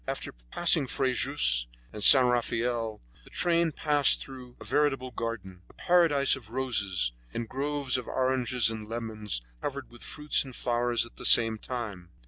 After passing Frejus and St. Raphael, the train passed through a veritable garden, a paradise of roses, and groves of oranges and lemons covered with fruits and flowers at the same time.